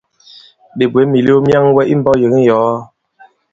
Ɓè bwě mìlew myaŋwɛ i mbɔ̄k yěŋ i yòo?